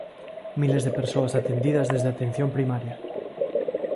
¡Miles de persoas atendidas desde atención primaria!